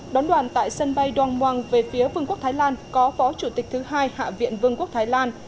đón đoàn tại sân bay đoan moang về phía vương quốc thái lan có phó chủ tịch thứ hai hạ viện vương quốc thái lan